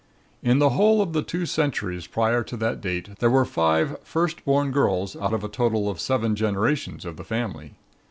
In the whole of the two centuries prior to that date there were five first born girls out of a total of seven generations of the family.